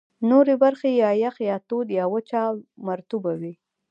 نورې برخې یا یخ، یا تود، یا وچه او مرطوبه وې.